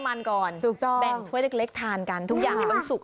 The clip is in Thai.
แบ่งถ้วยเล็กทานกันทุกอย่างต้องสุก